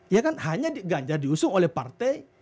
ya kan hanya ganjar diusung oleh partai